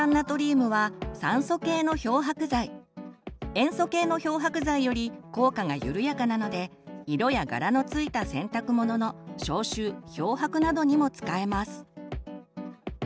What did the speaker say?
塩素系の漂白剤より効果が緩やかなので色や柄のついた洗濯物の消臭漂白などにも使えます。